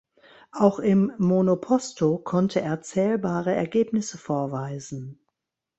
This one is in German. Auch im Monoposto konnte er zählbare Ergebnisse vorweisen.